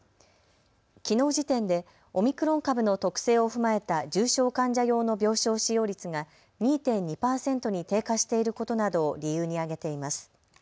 きのう時点でオミクロン株の特性を踏まえた重症患者用の病床使用率が２．２％に低下していることなどを理由に挙げています。